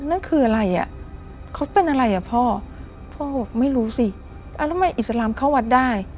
นั่นคืออะไรอ่ะเขาเป็นอะไรอ่ะพ่อพ่อบอกไม่รู้สิแล้วทำไมอิสลามเข้าวัดได้